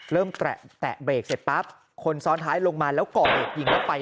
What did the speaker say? แตะเบรกเสร็จปั๊บคนซ้อนท้ายลงมาแล้วก่อเหตุยิงแล้วไป